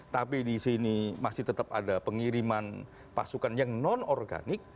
tapi di sini masih tetap ada pengiriman pasukan yang non organik